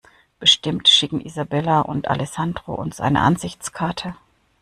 Bestimmt schicken Isabella und Alessandro uns eine Ansichtskarte.